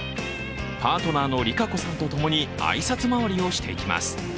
パートナーのりかこさんとともにあいさつ回りをしていきます。